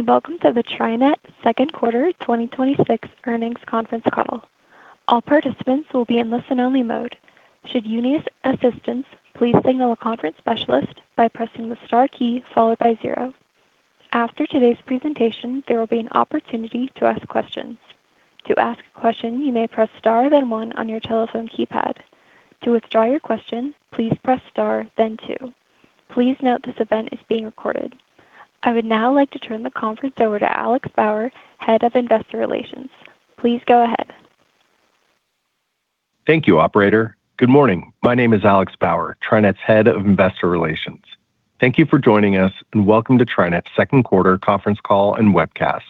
Good day. Welcome to the TriNet Second Quarter 2026 earnings conference call. All participants will be in listen-only mode. Should you need assistance, please signal a conference specialist by pressing the star key followed by zero. After today's presentation, there will be an opportunity to ask questions. To ask a question, you may press star then one on your telephone keypad. To withdraw your question, please press star then two. Please note this event is being recorded. I would now like to turn the conference over to Alex Bauer, Head of Investor Relations. Please go ahead. Thank you, operator. Good morning. My name is Alex Bauer, TriNet's Head of Investor Relations. Thank you for joining us. Welcome to TriNet's second quarter conference call and webcast.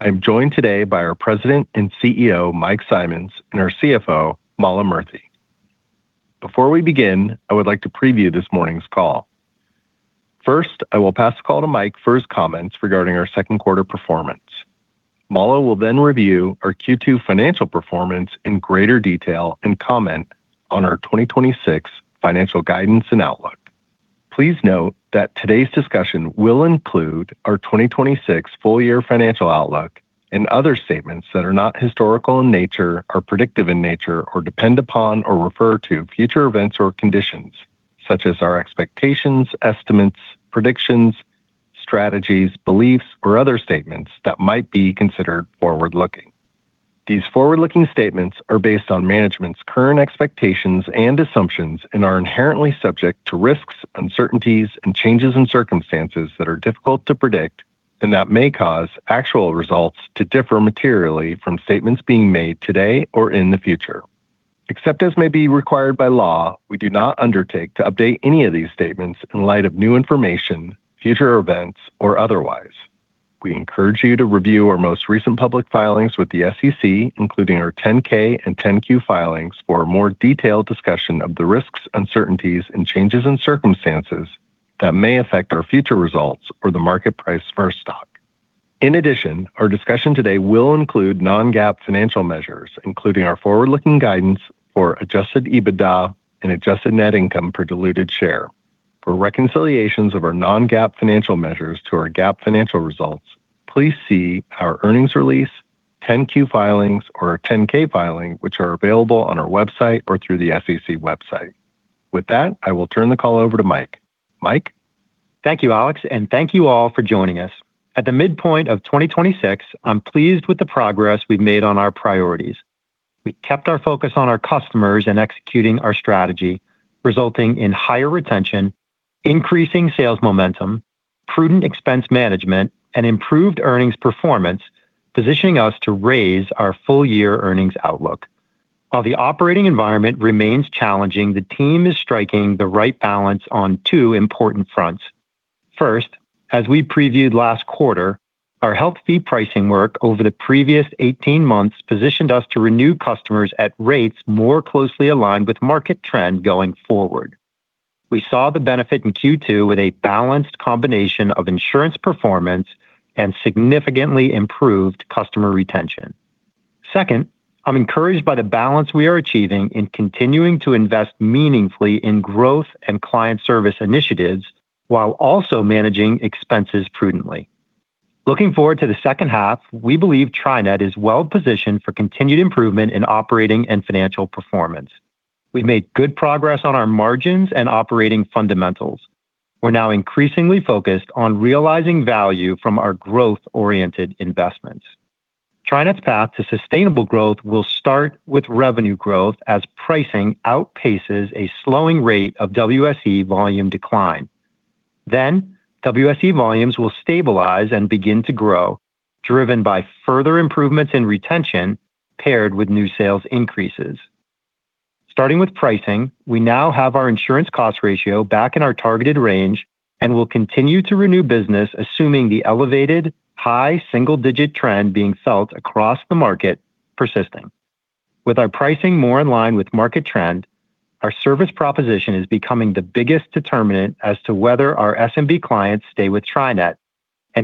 I am joined today by our President and CEO, Mike Simonds, and our CFO, Mala Murthy. Before we begin, I would like to preview this morning's call. First, I will pass the call to Mike for his comments regarding our second quarter performance. Mala will review our Q2 financial performance in greater detail and comment on our 2026 financial guidance and outlook. Please note that today's discussion will include our 2026 full year financial outlook and other statements that are not historical in nature or predictive in nature or depend upon or refer to future events or conditions, such as our expectations, estimates, predictions, strategies, beliefs, or other statements that might be considered forward-looking. These forward-looking statements are based on management's current expectations and assumptions and are inherently subject to risks, uncertainties, and changes in circumstances that are difficult to predict and that may cause actual results to differ materially from statements being made today or in the future. Except as may be required by law, we do not undertake to update any of these statements in light of new information, future events, or otherwise. We encourage you to review our most recent public filings with the SEC, including our 10-K and 10-Q filings for a more detailed discussion of the risks, uncertainties, and changes in circumstances that may affect our future results or the market price for our stock. In addition, our discussion today will include non-GAAP financial measures, including our forward-looking guidance for adjusted EBITDA and adjusted net income per diluted share. For reconciliations of our non-GAAP financial measures to our GAAP financial results, please see our earnings release, 10-Q filings or 10-K filing, which are available on our website or through the SEC website. With that, I will turn the call over to Mike. Mike? Thank you, Alex, and thank you all for joining us. At the midpoint of 2026, I'm pleased with the progress we've made on our priorities. We kept our focus on our customers and executing our strategy, resulting in higher retention, increasing sales momentum, prudent expense management, and improved earnings performance, positioning us to raise our full year earnings outlook. While the operating environment remains challenging, the team is striking the right balance on two important fronts. First, as we previewed last quarter, our health fee pricing work over the previous 18 months positioned us to renew customers at rates more closely aligned with market trend going forward. We saw the benefit in Q2 with a balanced combination of insurance performance and significantly improved customer retention. Second, I'm encouraged by the balance we are achieving in continuing to invest meaningfully in growth and client service initiatives while also managing expenses prudently. Looking forward to the second half, we believe TriNet is well-positioned for continued improvement in operating and financial performance. We made good progress on our margins and operating fundamentals. We're now increasingly focused on realizing value from our growth-oriented investments. TriNet's path to sustainable growth will start with revenue growth as pricing outpaces a slowing rate of WSE volume decline. WSE volumes will stabilize and begin to grow, driven by further improvements in retention paired with new sales increases. Starting with pricing, we now have our insurance cost ratio back in our targeted range and will continue to renew business assuming the elevated high single-digit trend being felt across the market persisting. With our pricing more in line with market trend, our service proposition is becoming the biggest determinant as to whether our SMB clients stay with TriNet,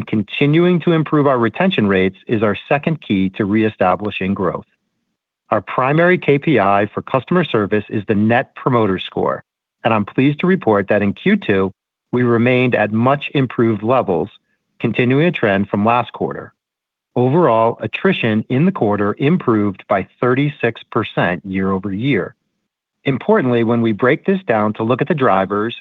continuing to improve our retention rates is our second key to reestablishing growth. Our primary KPI for customer service is the Net Promoter Score, and I'm pleased to report that in Q2, we remained at much improved levels, continuing a trend from last quarter. Overall, attrition in the quarter improved by 36% year-over-year. Importantly, when we break this down to look at the drivers,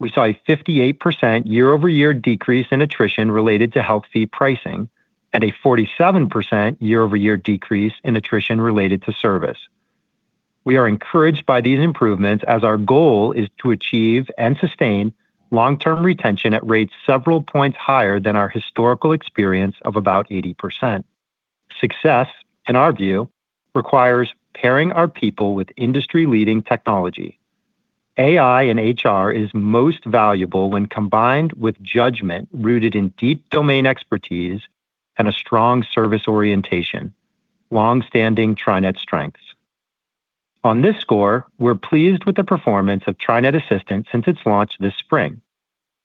we saw a 58% year-over-year decrease in attrition related to health fee pricing and a 47% year-over-year decrease in attrition related to service. We are encouraged by these improvements as our goal is to achieve and sustain long-term retention at rates several points higher than our historical experience of about 80%. Success, in our view, requires pairing our people with industry-leading technology. AI and HR is most valuable when combined with judgment rooted in deep domain expertise and a strong service orientation, longstanding TriNet strengths. On this score, we're pleased with the performance of TriNet Assistant since its launch this spring.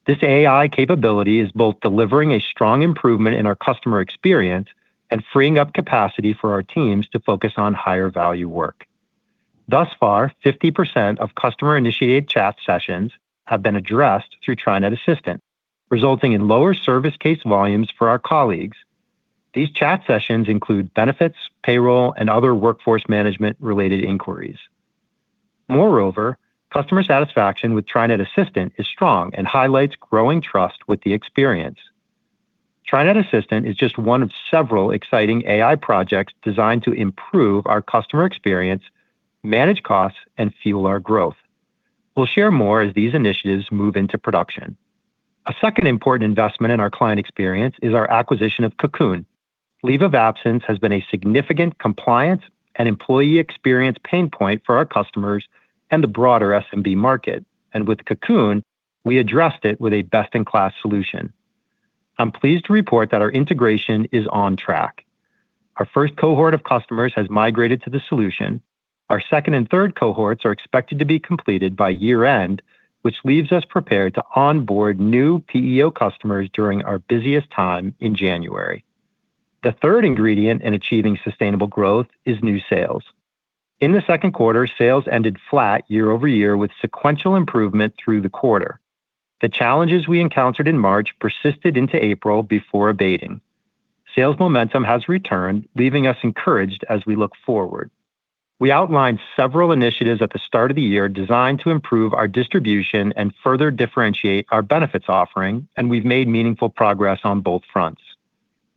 This AI capability is both delivering a strong improvement in our customer experience and freeing up capacity for our teams to focus on higher value work. Thus far, 50% of customer-initiated chat sessions have been addressed through TriNet Assistant, resulting in lower service case volumes for our colleagues. These chat sessions include benefits, payroll, and other workforce management-related inquiries. Moreover, customer satisfaction with TriNet Assistant is strong and highlights growing trust with the experience. TriNet Assistant is just one of several exciting AI projects designed to improve our customer experience, manage costs, and fuel our growth. We'll share more as these initiatives move into production. A second important investment in our client experience is our acquisition of Cocoon. Leave of absence has been a significant compliance and employee experience pain point for our customers and the broader SMB market. With Cocoon, we addressed it with a best-in-class solution. I'm pleased to report that our integration is on track. Our first cohort of customers has migrated to the solution. Our second and third cohorts are expected to be completed by year-end, which leaves us prepared to onboard new PEO customers during our busiest time in January. The third ingredient in achieving sustainable growth is new sales. In the second quarter, sales ended flat year-over-year with sequential improvement through the quarter. The challenges we encountered in March persisted into April before abating. Sales momentum has returned, leaving us encouraged as we look forward. We outlined several initiatives at the start of the year designed to improve our distribution and further differentiate our benefits offering, we've made meaningful progress on both fronts.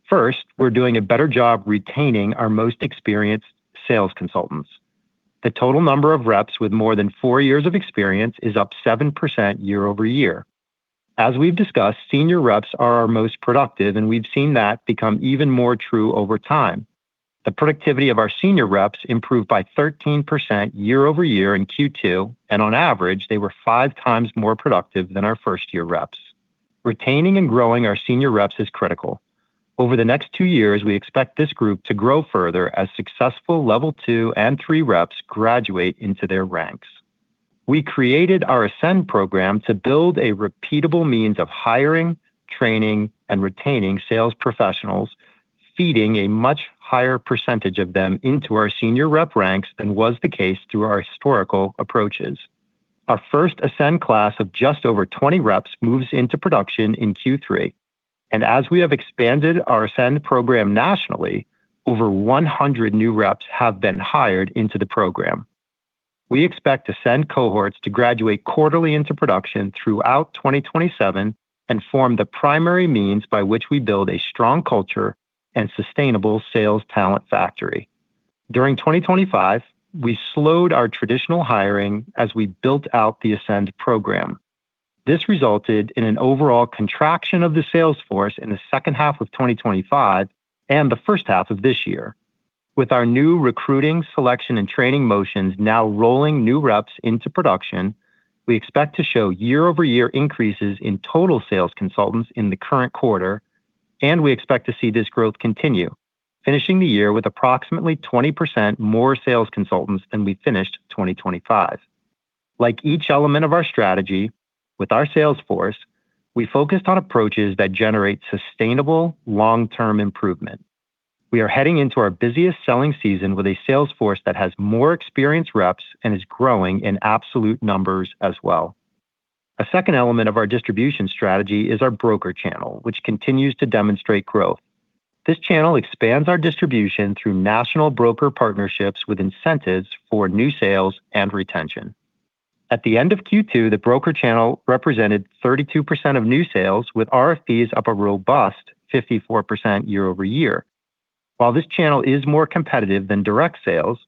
First, we're doing a better job retaining our most experienced sales consultants. The total number of reps with more than four years of experience is up 7% year-over-year. As we've discussed, senior reps are our most productive, we've seen that become even more true over time. The productivity of our senior reps improved by 13% year-over-year in Q2, on average, they were five times more productive than our first-year reps. Retaining and growing our senior reps is critical. Over the next two years, we expect this group to grow further as successful level two and three reps graduate into their ranks. We created our Ascend program to build a repeatable means of hiring, training, and retaining sales professionals, feeding a much higher percentage of them into our senior rep ranks than was the case through our historical approaches. Our first Ascend class of just over 20 reps moves into production in Q3, as we have expanded our Ascend program nationally, over 100 new reps have been hired into the program. We expect Ascend cohorts to graduate quarterly into production throughout 2027 and form the primary means by which we build a strong culture and sustainable sales talent factory. During 2025, we slowed our traditional hiring as we built out the Ascend program. This resulted in an overall contraction of the sales force in the second half of 2025 and the first half of this year. With our new recruiting, selection, and training motions now rolling new reps into production, we expect to show year-over-year increases in total sales consultants in the current quarter, we expect to see this growth continue, finishing the year with approximately 20% more sales consultants than we finished 2025. Like each element of our strategy, with our sales force, we focused on approaches that generate sustainable long-term improvement. We are heading into our busiest selling season with a sales force that has more experienced reps and is growing in absolute numbers as well. A second element of our distribution strategy is our broker channel, which continues to demonstrate growth. This channel expands our distribution through national broker partnerships with incentives for new sales and retention. At the end of Q2, the broker channel represented 32% of new sales, with RFPs up a robust 54% year-over-year. While this channel is more competitive than direct sales,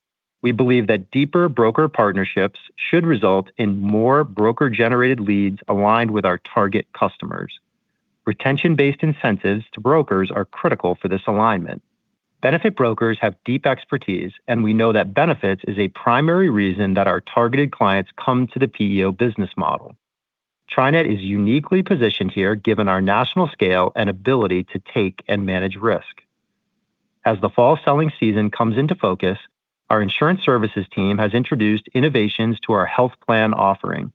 we believe that deeper broker partnerships should result in more broker-generated leads aligned with our target customers. Retention-based incentives to brokers are critical for this alignment. Benefit brokers have deep expertise, and we know that benefits is a primary reason that our targeted clients come to the PEO business model. TriNet is uniquely positioned here given our national scale and ability to take and manage risk. As the fall selling season comes into focus, our insurance services team has introduced innovations to our health plan offering.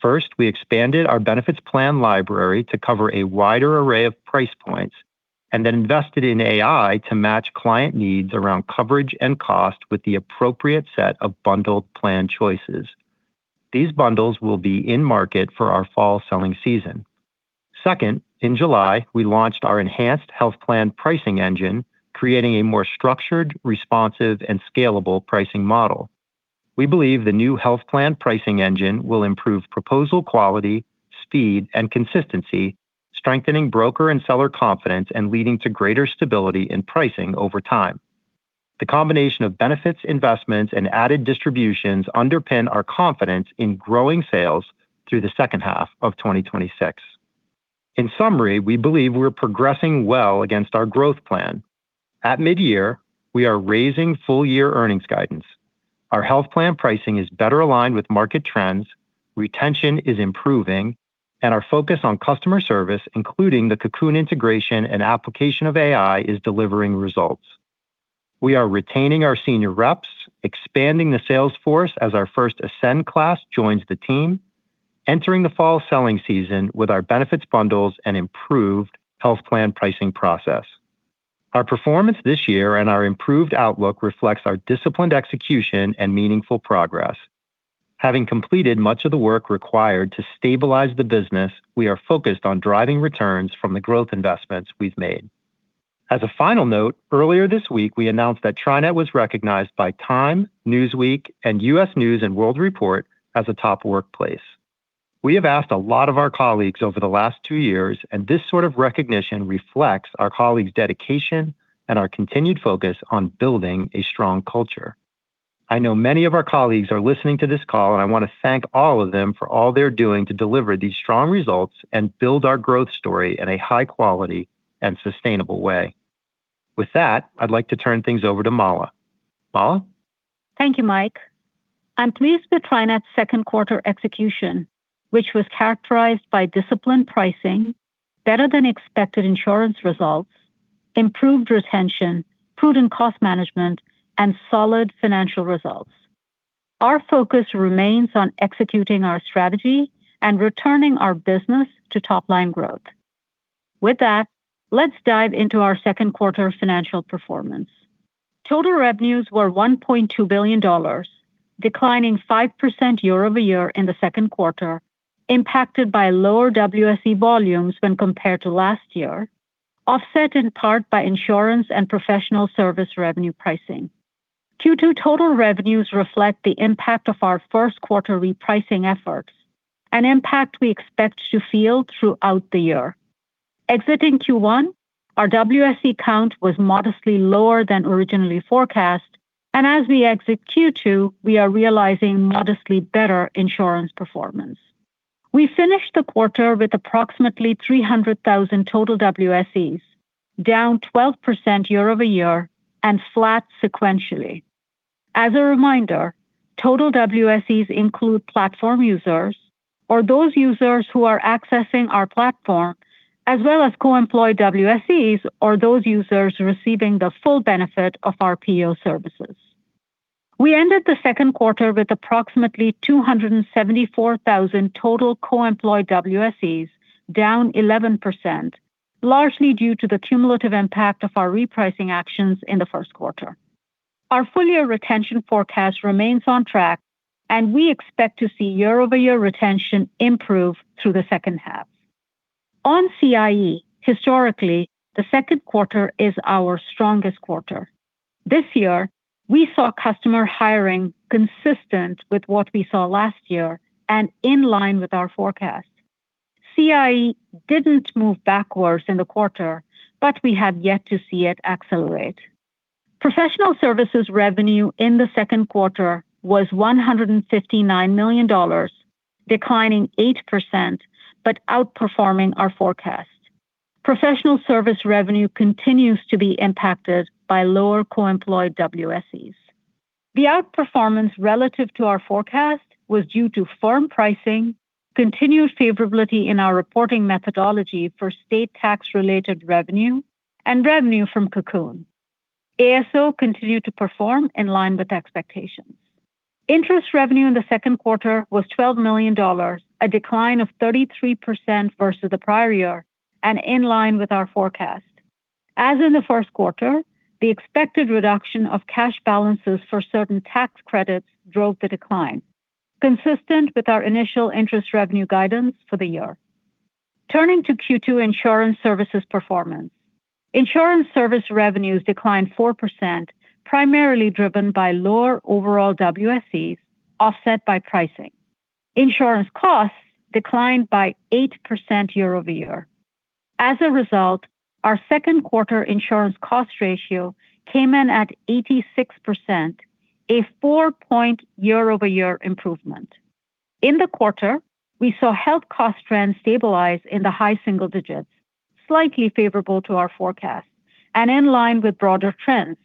First, we expanded our benefits plan library to cover a wider array of price points then invested in AI to match client needs around coverage and cost with the appropriate set of bundled plan choices. These bundles will be in market for our fall selling season. Second, in July, we launched our enhanced health plan pricing engine, creating a more structured, responsive, and scalable pricing model. We believe the new health plan pricing engine will improve proposal quality, speed, and consistency, strengthening broker and seller confidence and leading to greater stability in pricing over time. The combination of benefits, investments, and added distributions underpin our confidence in growing sales through the second half of 2026. In summary, we believe we're progressing well against our growth plan. At midyear, we are raising full-year earnings guidance. Our health plan pricing is better aligned with market trends, retention is improving, and our focus on customer service, including the Cocoon integration and application of AI, is delivering results. We are retaining our senior reps, expanding the sales force as our first Ascend class joins the team, entering the fall selling season with our benefits bundles and improved health plan pricing process. Our performance this year and our improved outlook reflects our disciplined execution and meaningful progress. Having completed much of the work required to stabilize the business, we are focused on driving returns from the growth investments we've made. As a final note, earlier this week, we announced that TriNet was recognized by Time, Newsweek, and U.S. News & World Report as a top workplace. We have asked a lot of our colleagues over the last two years, and this sort of recognition reflects our colleagues' dedication and our continued focus on building a strong culture. I know many of our colleagues are listening to this call, I want to thank all of them for all they're doing to deliver these strong results and build our growth story in a high-quality and sustainable way. With that, I'd like to turn things over to Mala. Mala? Thank you, Mike. I'm pleased with TriNet's second quarter execution, which was characterized by disciplined pricing, better than expected insurance results, improved retention, prudent cost management, and solid financial results. Our focus remains on executing our strategy and returning our business to top-line growth. With that, let's dive into our second quarter financial performance. Total revenues were $1.2 billion, declining 5% year-over-year in the second quarter, impacted by lower WSE volumes when compared to last year, offset in part by insurance and professional service revenue pricing. Q2 total revenues reflect the impact of our first quarter repricing efforts, an impact we expect to feel throughout the year. Exiting Q1, our WSE count was modestly lower than originally forecast, and as we exit Q2, we are realizing modestly better insurance performance. We finished the quarter with approximately 300,000 total WSEs, down 12% year-over-year and flat sequentially. As a reminder, total WSEs include platform users or those users who are accessing our platform, as well as co-employed WSEs or those users receiving the full benefit of our PEO services. We ended the second quarter with approximately 274,000 total co-employed WSEs, down 11%, largely due to the cumulative impact of our repricing actions in the first quarter. Our full-year retention forecast remains on track, and we expect to see year-over-year retention improve through the second half. On CIE, historically, the second quarter is our strongest quarter. This year, we saw customer hiring consistent with what we saw last year and in line with our forecast. CIE didn't move backwards in the quarter, but we have yet to see it accelerate. Professional services revenue in the second quarter was $159 million, declining 8% but outperforming our forecast. Professional service revenue continues to be impacted by lower co-employed WSEs. The outperformance relative to our forecast was due to firm pricing, continued favorability in our reporting methodology for state tax-related revenue, and revenue from Cocoon. ASO continued to perform in line with expectations. Interest revenue in the second quarter was $12 million, a decline of 33% versus the prior year and in line with our forecast. As in the first quarter, the expected reduction of cash balances for certain tax credits drove the decline, consistent with our initial interest revenue guidance for the year. Turning to Q2 insurance services performance. Insurance service revenues declined 4%, primarily driven by lower overall WSEs offset by pricing. Insurance costs declined by 8% year-over-year. As a result, our second quarter insurance cost ratio came in at 86%, a four-point year-over-year improvement. In the quarter, we saw health cost trends stabilize in the high single digits, slightly favorable to our forecast and in line with broader trends.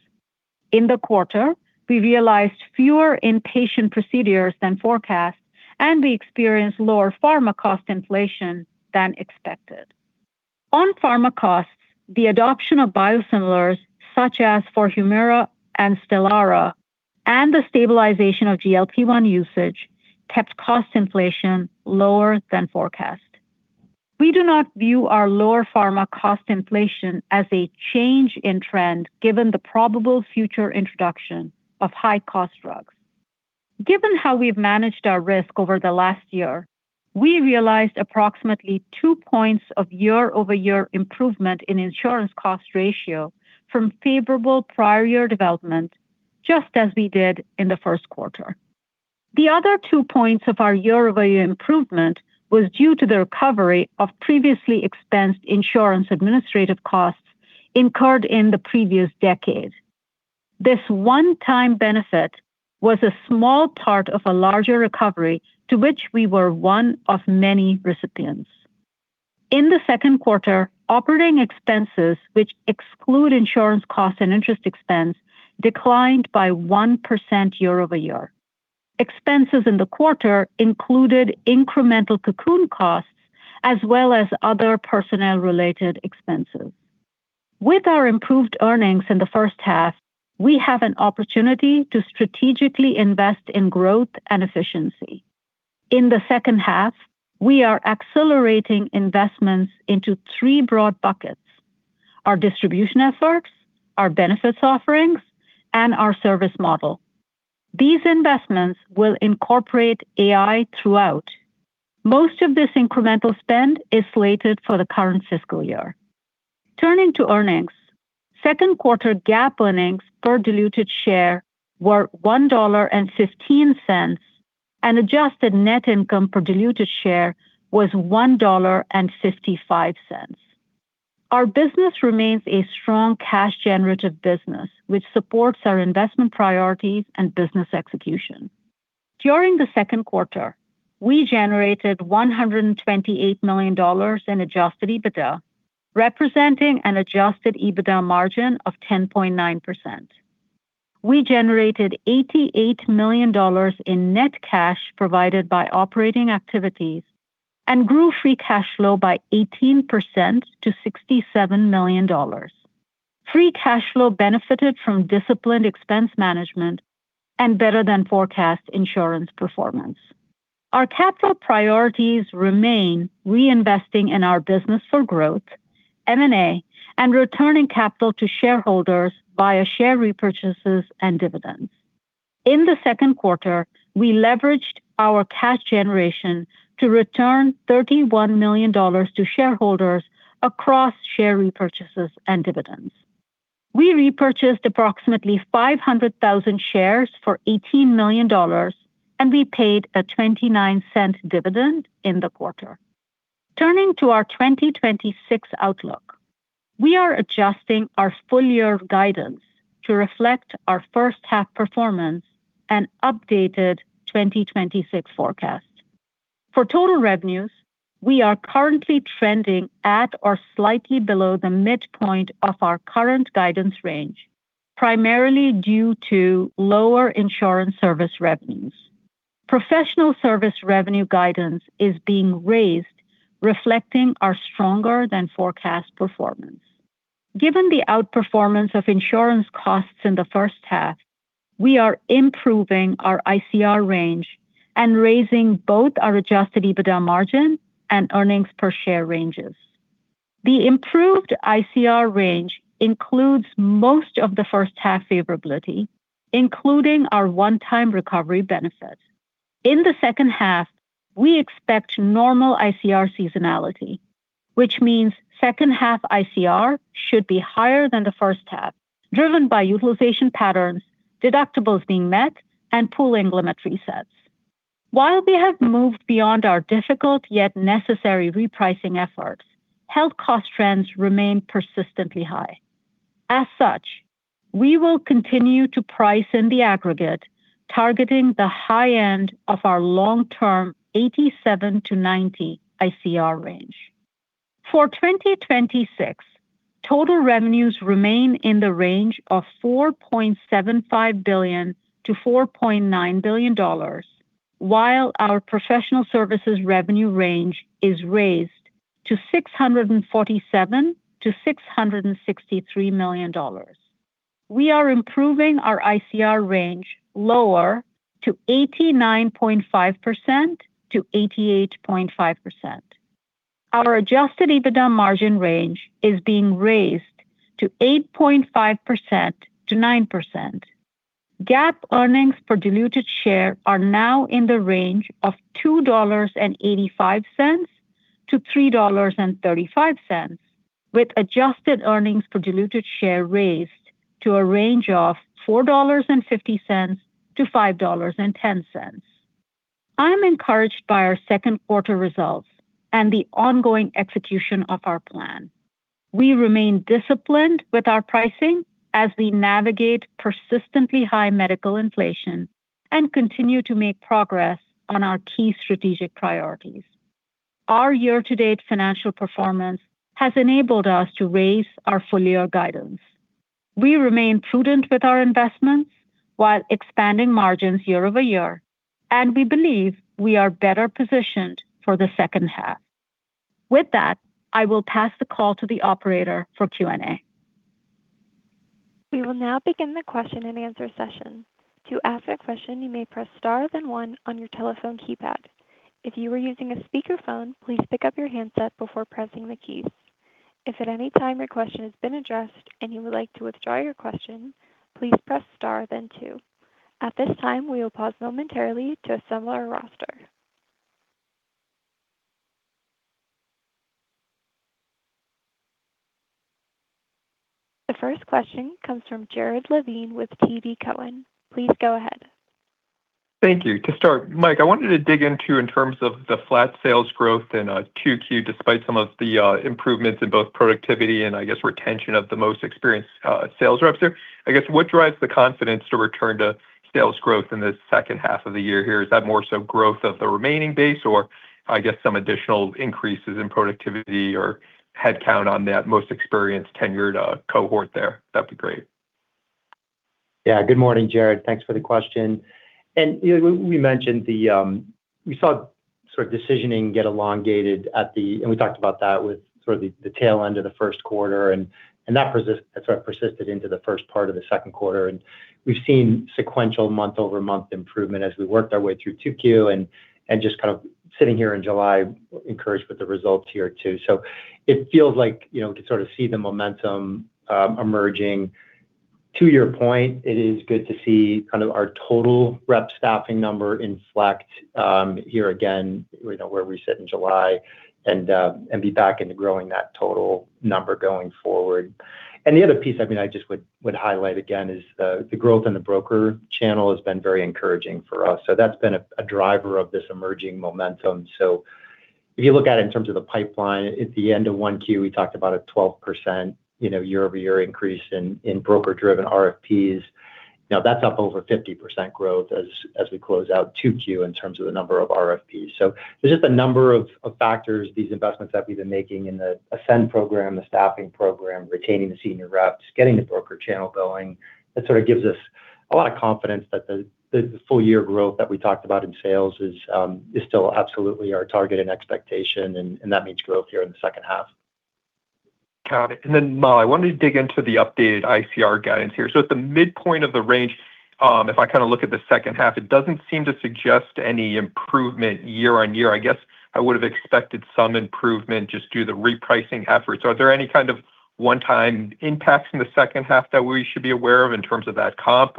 In the quarter, we realized fewer inpatient procedures than forecast, and we experienced lower pharma cost inflation than expected. On pharma costs, the adoption of biosimilars, such as for HUMIRA and STELARA, and the stabilization of GLP-1 usage kept cost inflation lower than forecast. We do not view our lower pharma cost inflation as a change in trend given the probable future introduction of high-cost drugs. Given how we've managed our risk over the last year, we realized approximately two points of year-over-year improvement in insurance cost ratio from favorable prior year development, just as we did in the first quarter. The other two points of our year-over-year improvement was due to the recovery of previously expensed insurance administrative costs incurred in the previous decade. This one-time benefit was a small part of a larger recovery to which we were one of many recipients. In the second quarter, operating expenses, which exclude insurance costs and interest expense, declined by 1% year-over-year. Expenses in the quarter included incremental Cocoon costs as well as other personnel-related expenses. With our improved earnings in the first half, we have an opportunity to strategically invest in growth and efficiency. In the second half, we are accelerating investments into three broad buckets: our distribution efforts, our benefits offerings, and our service model. These investments will incorporate AI throughout. Most of this incremental spend is slated for the current fiscal year. Turning to earnings, second quarter GAAP earnings per diluted share were $1.15, and adjusted net income per diluted share was $1.55. Our business remains a strong cash generative business, which supports our investment priorities and business execution. During the second quarter, we generated $128 million in adjusted EBITDA, representing an adjusted EBITDA margin of 10.9%. We generated $88 million in net cash provided by operating activities and grew free cash flow by 18% to $67 million. Free cash flow benefited from disciplined expense management and better than forecast insurance performance. Our capital priorities remain reinvesting in our business for growth, M&A, and returning capital to shareholders via share repurchases and dividends. In the second quarter, we leveraged our cash generation to return $31 million to shareholders across share repurchases and dividends. We repurchased approximately 500,000 shares for $18 million, and we paid a $0.29 dividend in the quarter. Turning to our 2026 outlook, we are adjusting our full-year guidance to reflect our first half performance and updated 2026 forecast. For total revenues, we are currently trending at or slightly below the midpoint of our current guidance range, primarily due to lower insurance service revenues. Professional service revenue guidance is being raised, reflecting our stronger than forecast performance. Given the outperformance of insurance costs in the first half, we are improving our ICR range and raising both our adjusted EBITDA margin and earnings per share ranges. The improved ICR range includes most of the first half favorability, including our one-time recovery benefit. In the second half, we expect normal ICR seasonality, which means second half ICR should be higher than the first half, driven by utilization patterns, deductibles being met, and pooling limit resets. While we have moved beyond our difficult yet necessary repricing efforts, health cost trends remain persistently high. As such, we will continue to price in the aggregate, targeting the high end of our long-term 87-90 ICR range. For 2026, total revenues remain in the range of $4.75 billion-$4.9 billion, while our professional services revenue range is raised to $647 million-$663 million. We are improving our ICR range lower to 89.5%-88.5%. Our adjusted EBITDA margin range is being raised to 8.5%-9%. GAAP earnings per diluted share are now in the range of $2.85-$3.35, with adjusted earnings per diluted share raised to a range of $4.50-$5.10. I'm encouraged by our second quarter results and the ongoing execution of our plan. We remain disciplined with our pricing as we navigate persistently high medical inflation and continue to make progress on our key strategic priorities. Our year-to-date financial performance has enabled us to raise our full-year guidance. We remain prudent with our investments while expanding margins year-over-year, and we believe we are better positioned for the second half. With that, I will pass the call to the operator for Q&A. We will now begin the question and answer session. To ask a question, you may press star then one on your telephone keypad. If you are using a speakerphone, please pick up your handset before pressing the keys. If at any time your question has been addressed and you would like to withdraw your question, please press star then two. At this time, we will pause momentarily to assemble our roster. The first question comes from Jared Levine with TD Cowen. Please go ahead. Thank you. To start, Mike, I wanted to dig into in terms of the flat sales growth in Q2 despite some of the improvements in both productivity and I guess retention of the most experienced sales reps there. I guess what drives the confidence to return to sales growth in the second half of the year here? Is that more so growth of the remaining base or I guess some additional increases in productivity or headcount on that most experienced tenured cohort there? That would be great. Yeah. Good morning, Jared. Thanks for the question. We saw sort of decisioning get elongated, and we talked about that with sort of the tail end of the first quarter, and that sort of persisted into the first part of the second quarter. We've seen sequential month-over-month improvement as we worked our way through 2Q, and just kind of sitting here in July encouraged with the results here too. It feels like we can sort of see the momentum emerging. To your point, it is good to see kind of our total rep staffing number inflect, here again, where we sit in July, and be back into growing that total number going forward. The other piece, I mean, I just would highlight again is the growth in the broker channel has been very encouraging for us. That's been a driver of this emerging momentum. If you look at it in terms of the pipeline, at the end of 1Q, we talked about a 12% year-over-year increase in broker-driven RFPs. Now that's up over 50% growth as we close out 2Q in terms of the number of RFPs. There's just a number of factors, these investments that we've been making in the Ascend program, the staffing program, retaining the senior reps, getting the broker channel going. That sort of gives us a lot of confidence that the full-year growth that we talked about in sales is still absolutely our target and expectation, and that means growth here in the second half. Got it. Then, Mala, I wanted to dig into the updated ICR guidance here. At the midpoint of the range, if I kind of look at the second half, it doesn't seem to suggest any improvement year-on-year. I guess I would've expected some improvement just due to the repricing efforts. Are there any kind of one-time impacts in the second half that we should be aware of in terms of that comp?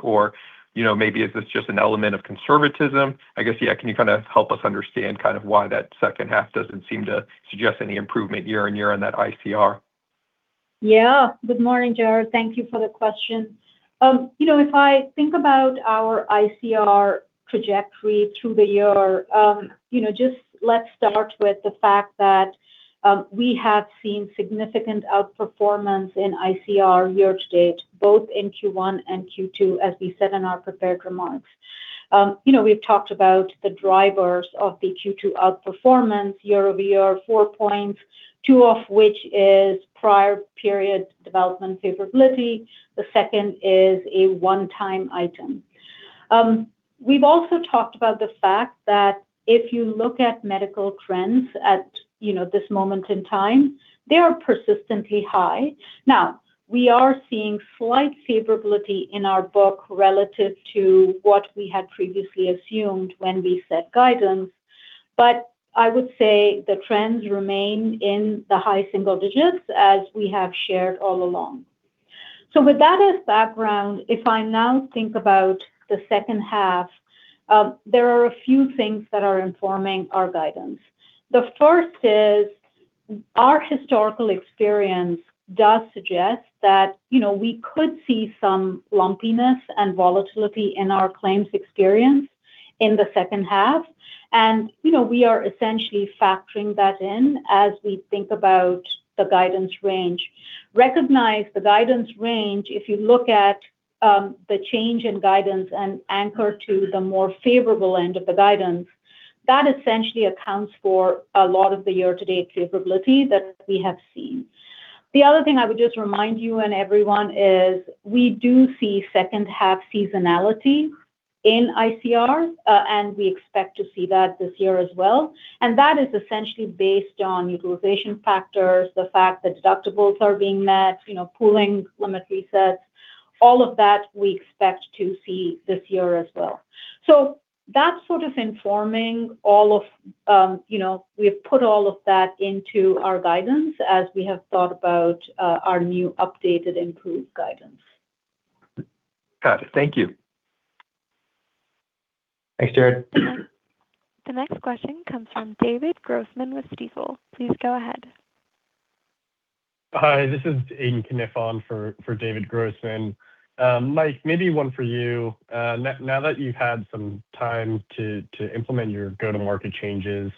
Maybe is this just an element of conservatism? I guess, yeah, can you kind of help us understand kind of why that second half doesn't seem to suggest any improvement year-on-year on that ICR? Yeah. Good morning, Jared. Thank you for the question. If I think about our ICR trajectory through the year, just let's start with the fact that we have seen significant outperformance in ICR year to date, both in Q1 and Q2, as we said in our prepared remarks. We've talked about the drivers of the Q2 outperformance year-over-year, of which is prior period development favorability. The second is a one-time item. We've also talked about the fact that if you look at medical trends at this moment in time, they are persistently high. Now, we are seeing slight favorability in our book relative to what we had previously assumed when we set guidance. I would say the trends remain in the high single digits, as we have shared all along. With that as background, if I now think about the second half, there are a few things that are informing our guidance. The first is our historical experience does suggest that we could see some lumpiness and volatility in our claims experience in the second half. We are essentially factoring that in as we think about the guidance range. Recognize the guidance range, if you look at the change in guidance and anchor to the more favorable end of the guidance, that essentially accounts for a lot of the year-to-date favorability that we have seen. The other thing I would just remind you and everyone is we do see second half seasonality in ICR, and we expect to see that this year as well, and that is essentially based on utilization factors, the fact that deductibles are being met, pooling limit resets, all of that we expect to see this year as well. That's sort of informing. We have put all of that into our guidance as we have thought about our new updated improved guidance. Got it. Thank you. Thanks, Jared. The next question comes from David Grossman with Stifel. Please go ahead. Hi, this is [Aidan Kniffin] for David Grossman. Mike, maybe one for you. Now that you've had some time to implement your go-to-market changes,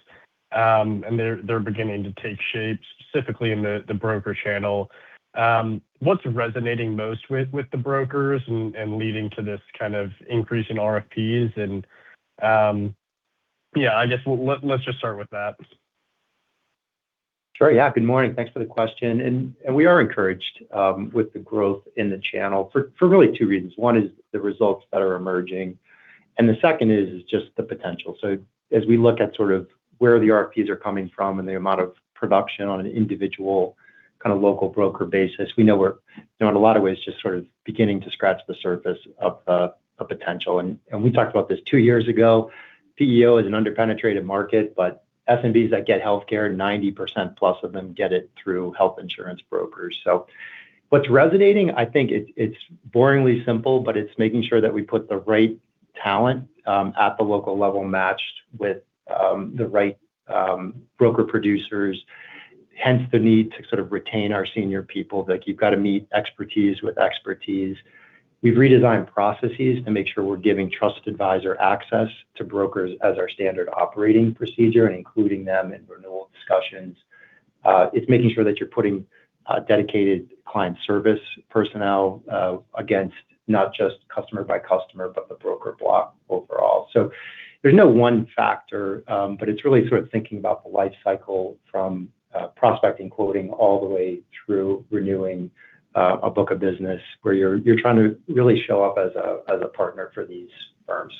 and they're beginning to take shape, specifically in the broker channel, what's resonating most with the brokers, and leading to this kind of increase in RFPs? Yeah, I guess let's just start with that. Sure. Yeah. Good morning. Thanks for the question. We are encouraged with the growth in the channel for really two reasons. One is the results that are emerging, and the second is just the potential. As we look at sort of where the RFPs are coming from and the amount of production on an individual kind of local broker basis, we know we're in a lot of ways just sort of beginning to scratch the surface of potential. We talked about this two years ago, PEO is an under-penetrated market, but SMBs that get healthcare, 90%-plus of them get it through health insurance brokers. What's resonating, I think it's boringly simple, but it's making sure that we put the right talent at the local level matched with the right broker-producers, hence the need to sort of retain our senior people, like you've got to meet expertise with expertise. We've redesigned processes to make sure we're giving trusted advisor access to brokers as our standard operating procedure, and including them in renewal discussions. It's making sure that you're putting dedicated client service personnel against not just customer by customer, but the broker block overall. There's no one factor, but it's really sort of thinking about the life cycle from prospecting, quoting, all the way through renewing a book of business where you're trying to really show up as a partner for these firms.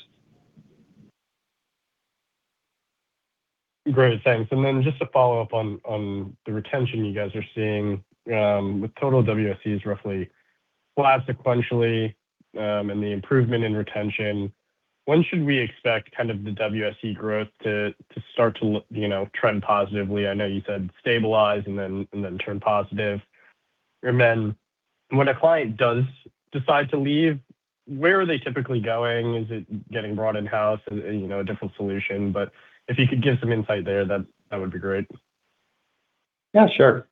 Great. Thanks. Just to follow up on the retention you guys are seeing, with total WSEs roughly flat sequentially, and the improvement in retention, when should we expect the WSE growth to start to trend positively? I know you said stabilize and turn positive. When a client does decide to leave, where are they typically going? Is it getting brought in-house and a different solution? If you could give some insight there, that would be great. Yeah, sure.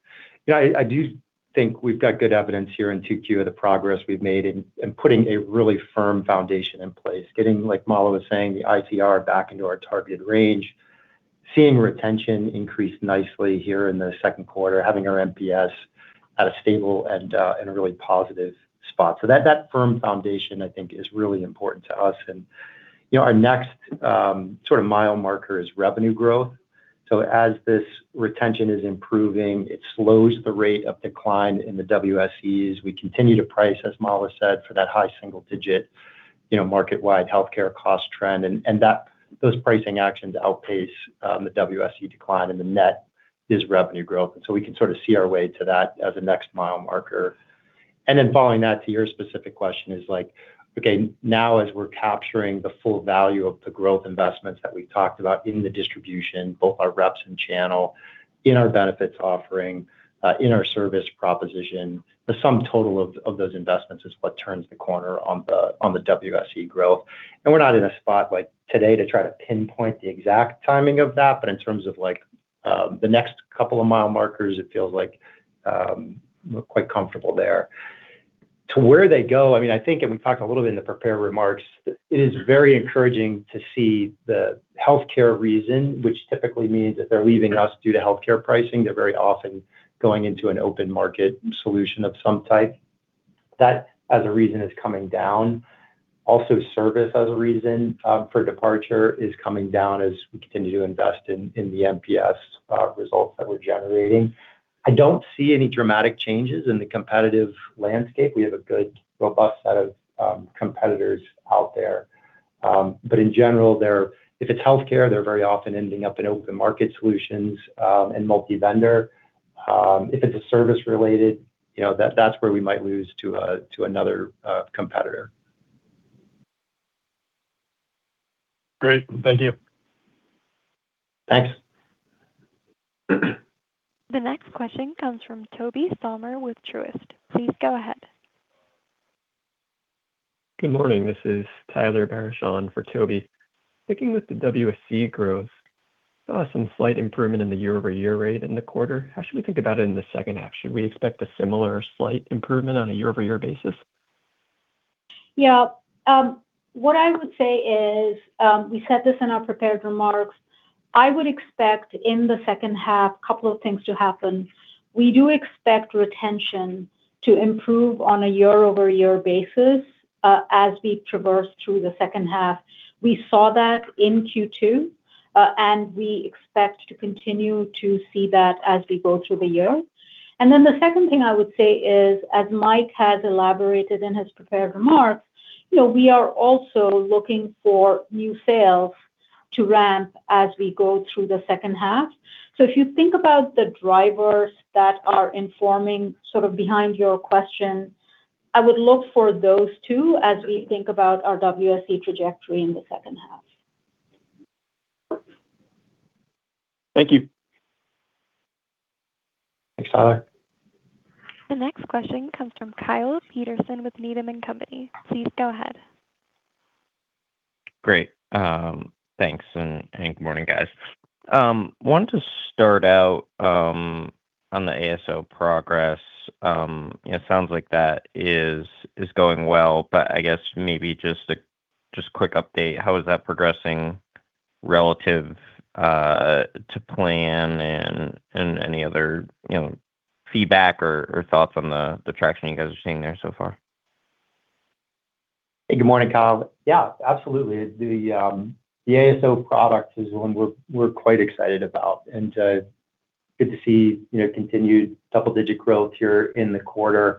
I do think we've got good evidence here in Q2 of the progress we've made in putting a really firm foundation in place. Getting, like Mala was saying, the ICR back into our targeted range, seeing retention increase nicely here in the second quarter, having our NPS at a stable and a really positive spot. That firm foundation, I think, is really important to us. Our next sort of mile marker is revenue growth. As this retention is improving, it slows the rate of decline in the WSEs. We continue to price, as Mala said, for that high single-digit market-wide healthcare cost trend. Those pricing actions outpace the WSE decline, the net is revenue growth. We can sort of see our way to that as a next mile marker. Following that to your specific question is, okay, now as we're capturing the full value of the growth investments that we talked about in the distribution, both our reps and channel, in our benefits offering, in our service proposition, the sum total of those investments is what turns the corner on the WSE growth. We're not in a spot today to try to pinpoint the exact timing of that, but in terms of the next couple of mile markers, it feels like we're quite comfortable there. To where they go, I think, we talked a little bit in the prepared remarks, it is very encouraging to see the healthcare reason, which typically means if they're leaving us due to healthcare pricing, they're very often going into an open market solution of some type. That as a reason is coming down. Also, service as a reason for departure is coming down as we continue to invest in the NPS results that we're generating. I don't see any dramatic changes in the competitive landscape. We have a good, robust set of competitors out there. In general, if it's healthcare, they're very often ending up in open market solutions, multi-vendor. If it's service related, that's where we might lose to another competitor. Great. Thank you. Thanks. The next question comes from Tobey Sommer with Truist. Please go ahead. Good morning. This is Tyler Barishaw for Toby. Sticking with the WSE growth, saw some slight improvement in the year-over-year rate in the quarter. How should we think about it in the second half? Should we expect a similar slight improvement on a year-over-year basis? Yeah. What I would say is, we said this in our prepared remarks, I would expect in the second half, couple of things to happen. We do expect retention to improve on a year-over-year basis as we traverse through the second half. We saw that in Q2, and we expect to continue to see that as we go through the year. The second thing I would say is, as Mike has elaborated in his prepared remarks, we are also looking for new sales to ramp as we go through the second half. If you think about the drivers that are informing sort of behind your question, I would look for those two as we think about our WSE trajectory in the second half. Thank you. Thanks, Tyler. The next question comes from Kyle Peterson with Needham & Company. Please go ahead. Great. Thanks, and good morning, guys. Wanted to start out on the ASO progress. It sounds like that is going well. I guess maybe just a quick update. How is that progressing relative to plan? Any other feedback or thoughts on the traction you guys are seeing there so far? Hey, good morning, Kyle. Yeah, absolutely. The ASO product is one we're quite excited about, and good to see continued double-digit growth here in the quarter.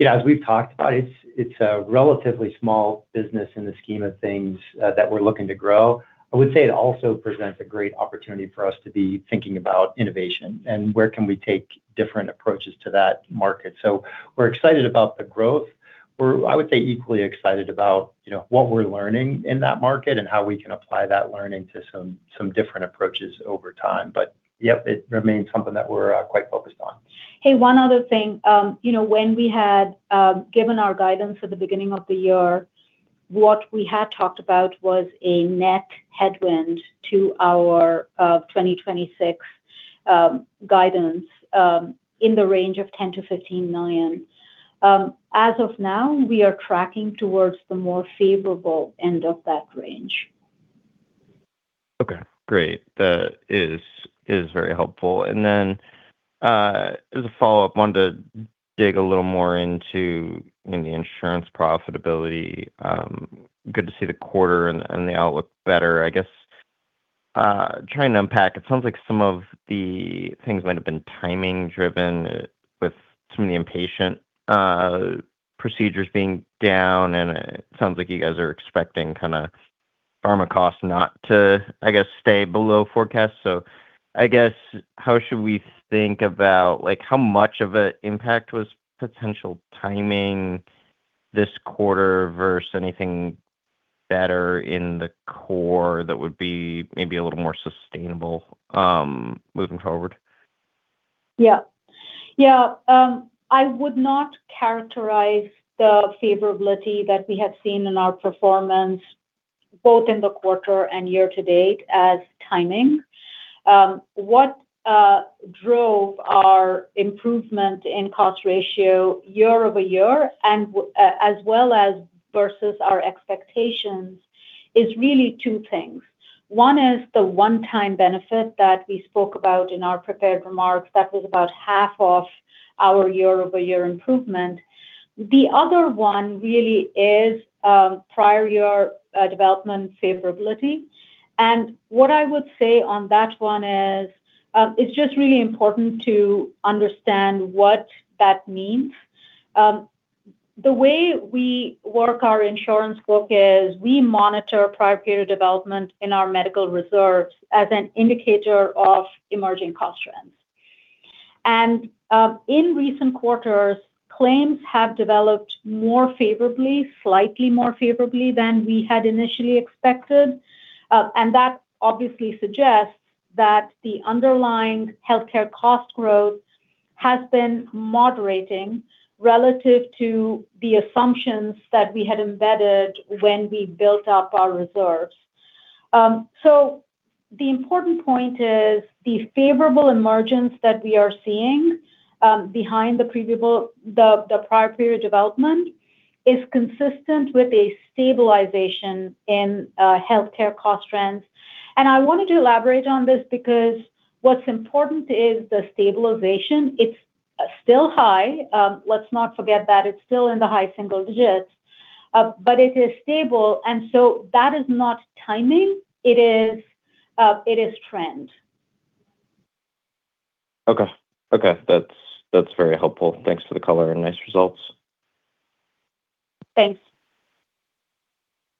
As we've talked about, it's a relatively small business in the scheme of things that we're looking to grow. I would say it also presents a great opportunity for us to be thinking about innovation, and where can we take different approaches to that market. We're excited about the growth. We're, I would say, equally excited about what we're learning in that market, and how we can apply that learning to some different approaches over time. Yep, it remains something that we're quite focused on. Hey, one other thing. When we had given our guidance at the beginning of the year, what we had talked about was a net headwind to our 2026 guidance in the range of $10 million-$15 million. As of now, we are tracking towards the more favorable end of that range. Okay, great. That is very helpful. As a follow-up, wanted to dig a little more into the insurance profitability. Good to see the quarter and the outlook better, I guess. Trying to unpack, it sounds like some of the things might have been timing driven with some of the inpatient procedures being down, and it sounds like you guys are expecting pharma costs not to stay below forecast. I guess, how should we think about how much of an impact was potential timing this quarter versus anything better in the core that would be maybe a little more sustainable moving forward? Yeah. I would not characterize the favorability that we have seen in our performance, both in the quarter and year-to-date, as timing. What drove our improvement in cost ratio year-over-year, as well as versus our expectations, is really two things. One is the one-time benefit that we spoke about in our prepared remarks. That was about half of our year-over-year improvement. The other one really is prior-year development favorability. And what I would say on that one is, it's just really important to understand what that means. The way we work our insurance book is we monitor prior-period development in our medical reserves as an indicator of emerging cost trends. In recent quarters, claims have developed more favorably, slightly more favorably than we had initially expected. That obviously suggests that the underlying healthcare cost growth has been moderating relative to the assumptions that we had embedded when we built up our reserves. So the important point is the favorable emergence that we are seeing behind the prior-period development is consistent with a stabilization in healthcare cost trends. I wanted to elaborate on this because what's important is the stabilization. It's still high. Let's not forget that it's still in the high single digits, but it is stable. So that is not timing, it is trend. Okay. That's very helpful. Thanks for the color and nice results. Thanks.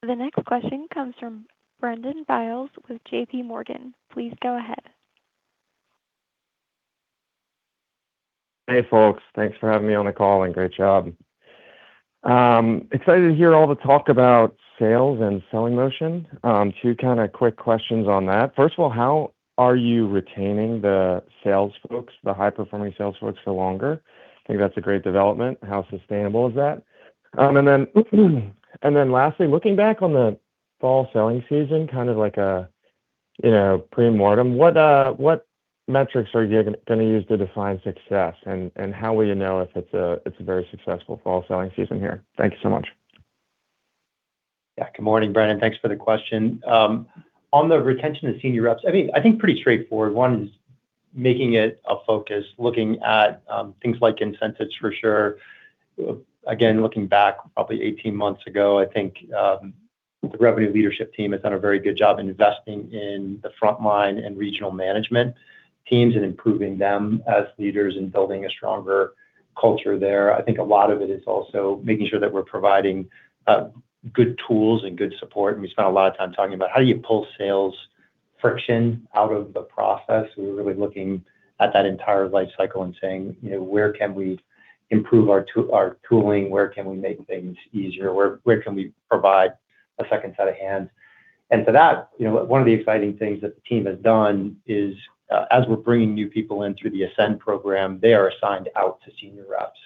The next question comes from Brendan Biles with JPMorgan. Please go ahead. Hey, folks. Thanks for having me on the call, and great job. I'm excited to hear all the talk about sales and selling motion. Two kind of quick questions on that. First of all, how are you retaining the high-performing sales folks for longer? I think that's a great development. How sustainable is that? Lastly, looking back on the fall selling season, kind of like a premortem, what metrics are you going to use to define success? How will you know if it's a very successful fall selling season here? Thank you so much. Yeah. Good morning, Brendan. Thanks for the question. On the retention of senior reps, I think pretty straightforward. One is making it a focus, looking at things like incentives for sure. Again, looking back probably 18 months ago, I think the revenue leadership team has done a very good job in investing in the frontline and regional management teams, and improving them as leaders, and building a stronger culture there. I think a lot of it is also making sure that we're providing good tools and good support, we spent a lot of time talking about how you pull sales friction out of the process. We were really looking at that entire life cycle and saying, "Where can we improve our tooling? Where can we make things easier? Where can we provide a second set of hands?" One of the exciting things that the team has done is, as we're bringing new people in through the Ascend program, they are assigned out to senior reps.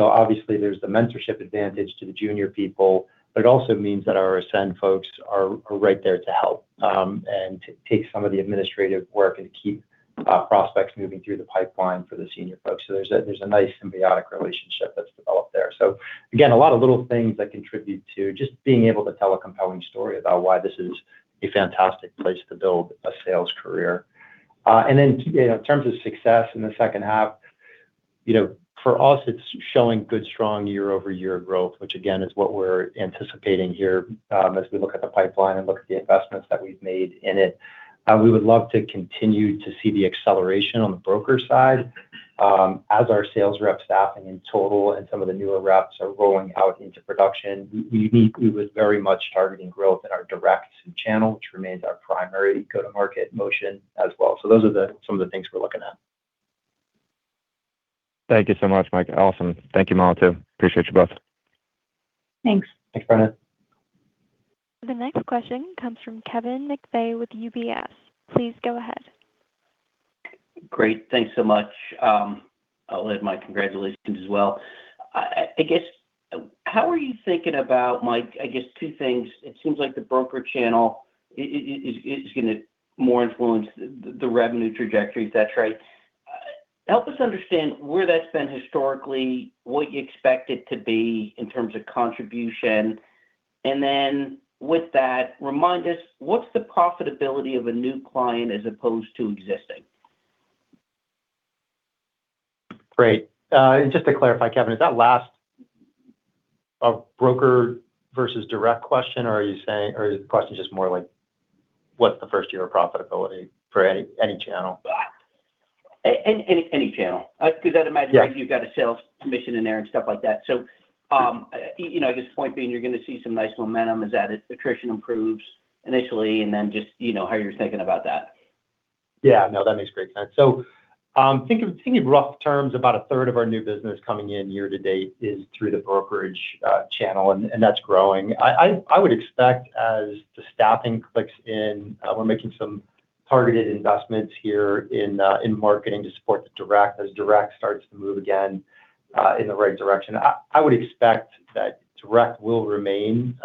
Obviously there's the mentorship advantage to the junior people, but it also means that our Ascend folks are right there to help, and to take some of the administrative work, and to keep prospects moving through the pipeline for the senior folks. There's a nice symbiotic relationship that's developed there. Again, a lot of little things that contribute to just being able to tell a compelling story about why this is a fantastic place to build a sales career. In terms of success in the second half, for us, it's showing good, strong year-over-year growth, which again, is what we're anticipating here as we look at the pipeline and look at the investments that we've made in it. We would love to continue to see the acceleration on the broker side as our sales rep staffing in total, and some of the newer reps are rolling out into production. We was very much targeting growth in our direct channel, which remains our primary go-to-market motion as well. Those are some of the things we're looking at. Thank you so much, Mike. Awesome. Thank you, Mala, too. Appreciate you both. Thanks. Thanks, Brendan. The next question comes from Kevin McVeigh with UBS. Please go ahead. Great. Thanks so much. I will add my congratulations as well. I guess, how are you thinking about, Mike, I guess two things. It seems like the broker channel is going to more influence the revenue trajectory, if that's right. Help us understand where that's been historically, what you expect it to be in terms of contribution, and then with that, remind us, what's the profitability of a new client as opposed to existing? Great. Just to clarify, Kevin, is that last a broker versus direct question? Or the question's just more like what's the first year of profitability for any channel? Any channel. You've got a sales commission in there and stuff like that. I guess the point being, you're going to see some nice momentum as that attrition improves initially, and then just how you're thinking about that. Yeah. No, that makes great sense. Thinking of rough terms, about a third of our new business coming in year to date is through the brokerage channel, and that's growing. I would expect as the staffing clicks in, we're making some targeted investments here in marketing to support the direct, as direct starts to move again, in the right direction. I would expect that direct will remain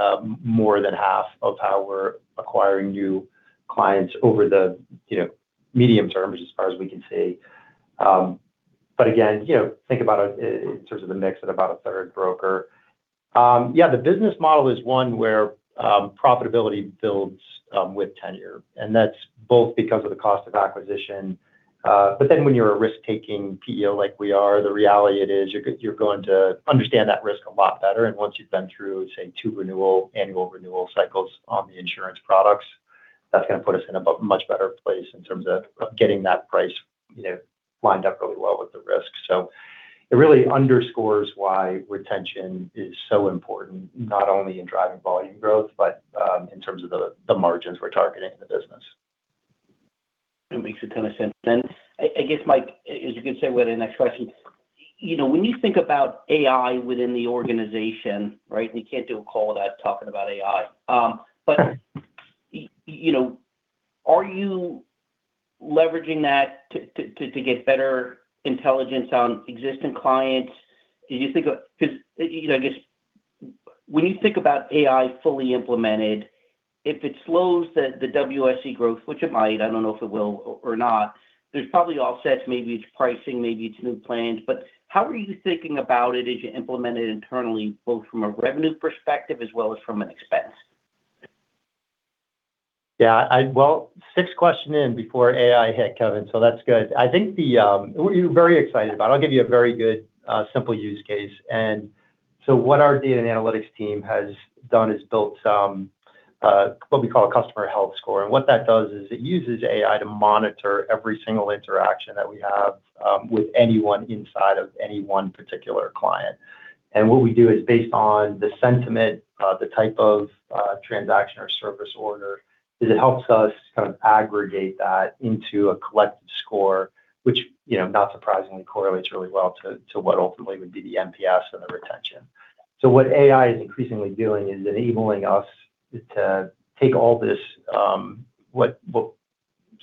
more than half of how we're acquiring new clients over the medium term, as far as we can see. Again, think about it in terms of the mix at about a third broker. Yeah, the business model is one where profitability builds with tenure, and that's both because of the cost of acquisition. When you're a risk-taking PEO like we are, the reality it is, you're going to understand that risk a lot better. Once you've been through, say, two annual renewal cycles on the insurance products, that's going to put us in a much better place in terms of getting that price lined up really well with the risk. It really underscores why retention is so important, not only in driving volume growth, but in terms of the margins we're targeting in the business. That makes a ton of sense. I guess, Mike, as you can say with the next question, when you think about AI within the organization, right? We can't do a call without talking about AI. Right. Are you leveraging that to get better intelligence on existing clients? I guess, when you think about AI fully implemented, if it slows the WSE growth, which it might, I don't know if it will or not, there's probably offsets. Maybe it's pricing, maybe it's new plans. How are you thinking about it as you implement it internally, both from a revenue perspective as well as from an expense? Yeah. Well, sixth question in before AI hit, Kevin, that's good. We're very excited about it. I'll give you a very good, simple use case. What our data and analytics team has done is built what we call a customer health score. What that does is it uses AI to monitor every single interaction that we have with anyone inside of any one particular client. What we do is based on the sentiment, the type of transaction or service order, it helps us kind of aggregate that into a collective score, which not surprisingly correlates really well to what ultimately would be the NPS and the retention. What AI is increasingly doing is enabling us to take all this sort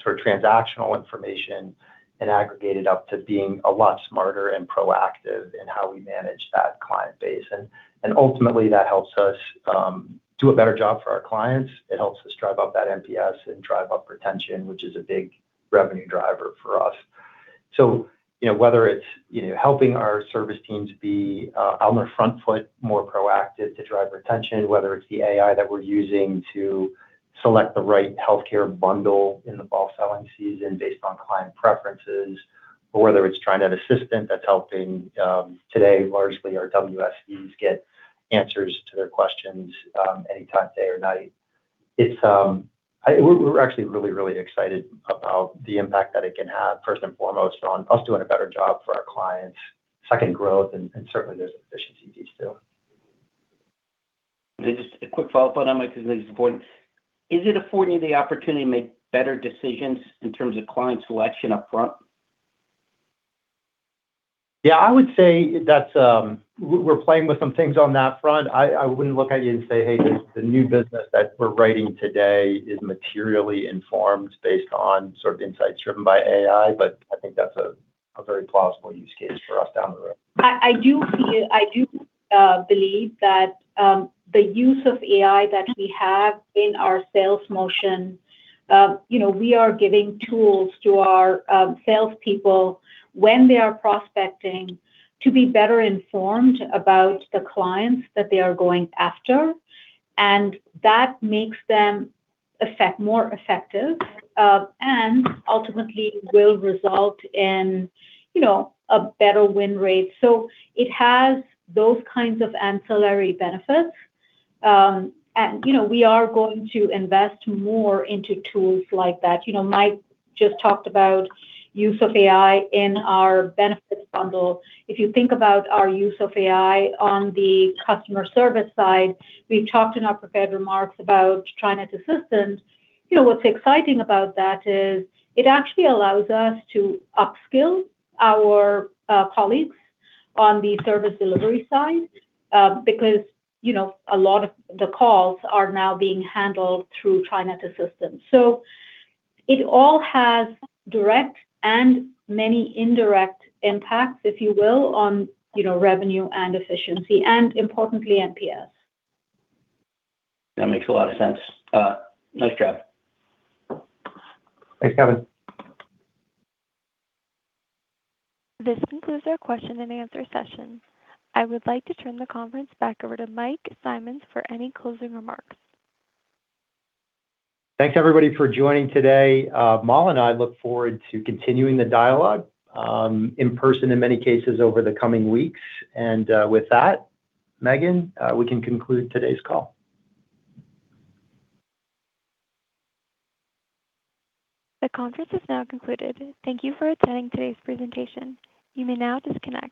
of transactional information and aggregate it up to being a lot smarter and proactive in how we manage that client base. Ultimately, that helps us do a better job for our clients. It helps us drive up that NPS and drive up retention, which is a big revenue driver for us. Whether it's helping our service teams be on their front foot, more proactive to drive retention, whether it's the AI that we're using to select the right healthcare bundle in the fall selling season based on client preferences, or whether it's TriNet Assistant that's helping today, largely our WSEs get answers to their questions anytime day or night. We're actually really, really excited about the impact that it can have, first and foremost, on us doing a better job for our clients, second, growth, and certainly there's efficiency gains, too. Just a quick follow up on that, Mike, because I think it's important. Is it affording the opportunity to make better decisions in terms of client selection up front? I would say that we're playing with some things on that front. I wouldn't look at you and say, "Hey, the new business that we're writing today is materially informed based on sort of insights driven by AI," I think that's a very plausible use case for us down the road. I do believe that the use of AI that we have in our sales motion, we are giving tools to our salespeople when they are prospecting to be better informed about the clients that they are going after, and that makes them more effective, and ultimately will result in a better win rate. It has those kinds of ancillary benefits. We are going to invest more into tools like that. Mike just talked about use of AI in our benefits bundle. If you think about our use of AI on the customer service side, we've talked in our prepared remarks about TriNet Assistant. What's exciting about that is it actually allows us to upskill our colleagues on the service delivery side, because a lot of the calls are now being handled through TriNet Assistant. It all has direct and many indirect impacts, if you will, on revenue and efficiency and importantly, NPS. That makes a lot of sense. Nice job. Thanks, Kevin. This concludes our question and answer session. I would like to turn the conference back over to Mike Simonds for any closing remarks. Thanks everybody for joining today. Mala and I look forward to continuing the dialogue, in person in many cases, over the coming weeks. With that, Megan, we can conclude today's call. The conference is now concluded. Thank you for attending today's presentation. You may now disconnect.